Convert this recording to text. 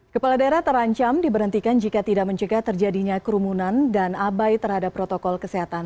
kepala daerah terancam diberhentikan jika tidak mencegah terjadinya kerumunan dan abai terhadap protokol kesehatan